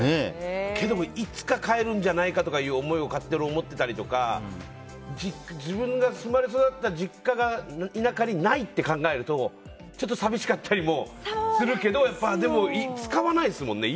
けど、いつか帰るんじゃないかという思いを勝手に思っていたりとか自分が生まれ育った実家が田舎にないって考えるとちょっと寂しかったりもするけどでも使わないですもんね。